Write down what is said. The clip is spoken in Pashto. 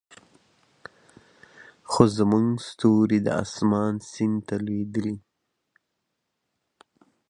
خو زموږ ستوري د اسمان سیند ته لویدلې